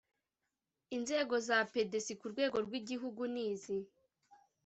inzego za pdc ku rwego rw igihugu ni izi